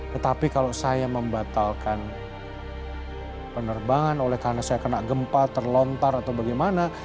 tetapi kalau saya membatalkan penerbangan oleh karena saya kena gempa terlontar atau bagaimana